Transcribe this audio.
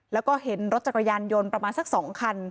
แล้วก็เห็นรถจักรยานยนต์ประมาณสัก๒คัน